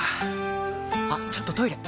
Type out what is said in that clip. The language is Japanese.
あっちょっとトイレ！